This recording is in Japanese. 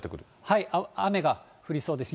雨が降りそうです。